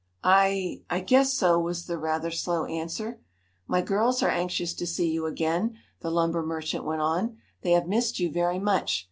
"I I guess so," was the rather slow answer. "My girls are anxious to see you again," the lumber merchant went on. "They have missed you very much.